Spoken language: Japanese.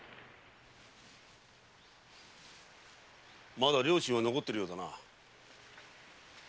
・まだ良心は残ってるようだな。